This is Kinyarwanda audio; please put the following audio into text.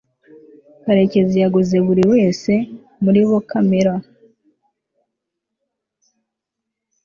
karekezi yaguze buri wese muri bo kamera